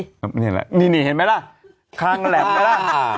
นี่เห็นไหมล่ะทางแหลมไปล่ะ